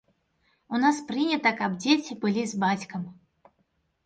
У нас прынята, каб дзеці былі з бацькам.